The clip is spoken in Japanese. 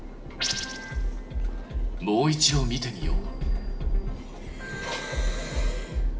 もう一度見てみよう。